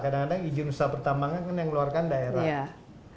kadang kadang izin usaha pertambangan kan yang ngeluarkan daerah